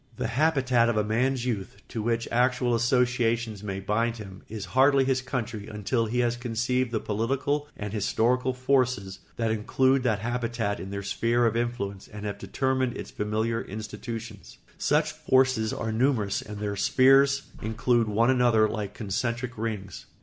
The habitat of a man's youth, to which actual associations may bind him, is hardly his country until he has conceived the political and historical forces that include that habitat in their sphere of influence and have determined its familiar institutions. Such forces are numerous and their spheres include one another like concentric rings.